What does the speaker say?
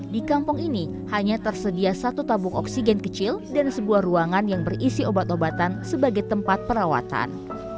di kampung ini hanya tersedia satu tabung oksigen kecil dan sebuah ruangan yang berisi obat obatan sebagai tempat perawatan